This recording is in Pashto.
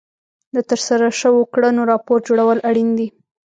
د ترسره شوو کړنو راپور جوړول اړین دي.